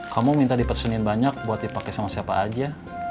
kamu minta dipesenin banyak buat dipakai sama siapa aja